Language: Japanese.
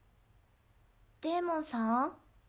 デーモンさん？